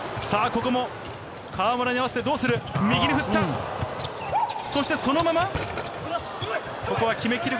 ここも河村に合わせてどうする？